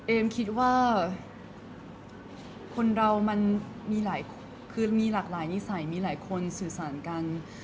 เอมคิดว่าคนเรามีหลากหลายนิสัยมีหลายคนสื่อสารกัน